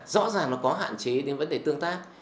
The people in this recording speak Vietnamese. rõ ràng nó có hạn chế đến vấn đề tương tác